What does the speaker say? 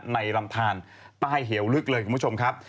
ลำทานใต้เหวลึกเลยคุณผู้ชมครับ